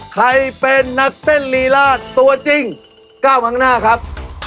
ใครเป็นนักเต้นลีล่าตัวจริง๙หังหน้าครับ